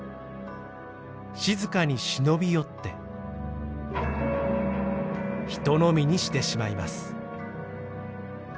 静かに忍び寄って一飲みにしてしまいます。